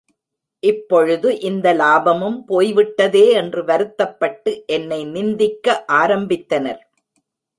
இப்பொழுது இந்த லாபமும் போய்விட்டதே என்று வருத்தப்பட்டு என்னை நிந்திக்க ஆரம்பித்தனர்.